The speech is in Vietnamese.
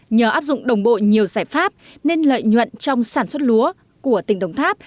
nhờ áp dụng đồng bộ nhiều giải pháp nên lợi nhuận trong sản xuất lúa của tỉnh đồng tháp